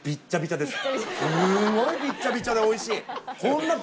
すごいびっちゃびちゃでおいしい！